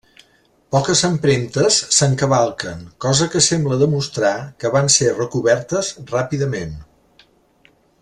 Poques empremtes s'encavalquen, cosa que sembla demostrar que van ser recobertes ràpidament.